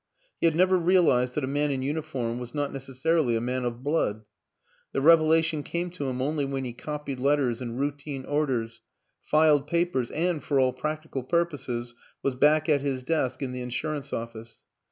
He had never realized that a man in uni form was not necessarily a man of blood; the revelation came to him only when he copied letters and routine orders, filed papers and, for all prac tical purposes, was back at his desk in the in surance office.